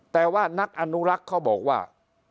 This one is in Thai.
แต่ว่านักอนุรักษ์เขาบอกว่า